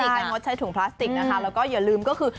ใครงดใช้ถุงพลาสติกนะคะแล้วก็อย่าลืมก็คือ